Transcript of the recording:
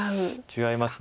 違います。